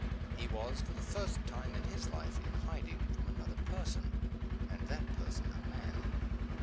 He was, for the first time in his life, in hiding from another person, and that person a man.